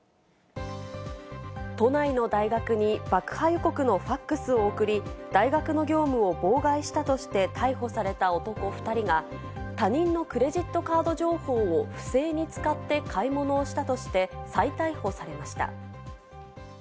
都内の大学に爆破予告のファクスを送り、大学の業務を妨害したとして逮捕された男２人が、他人のクレジットカード情報を不正に使って買い物をしたとして再逮捕されました。